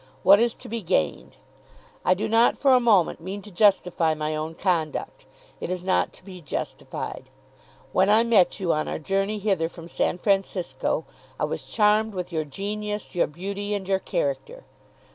What is to be gained? I do not for a moment mean to justify my own conduct. It is not to be justified. When I met you on our journey hither from San Francisco, I was charmed with your genius, your beauty, and your character.